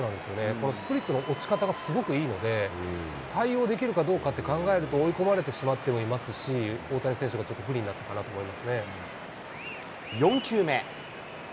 このスプリットの落ち方がすごくいいので、対応できるかどうかって考えると、追い込まれてしまってもいますし、大谷選手がちょっと不利になった４球目。